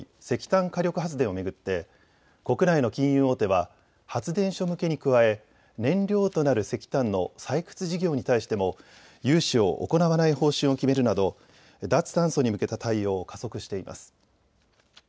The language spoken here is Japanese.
石炭火力発電を巡って国内の金融大手は発電所向けに加え燃料となる石炭の採掘事業に対しても融資を行わない方針を決めるなど脱炭素に向けた対応を加速しています。